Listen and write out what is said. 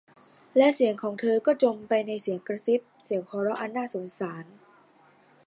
และเสียงของเธอก็จมไปในเสียงกระซิบ เสียงหัวเราะอันน่าสงสาร